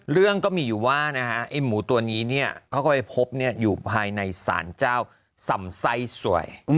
เรื่องก็มีอยู่ว่าไอ้หมูตัวนี้เขาก็ไปพบอยู่ภายในสารเจ้าสำไส้สวย